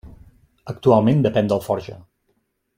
Actualment depèn d'Alforja.